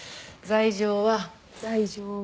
罪状は？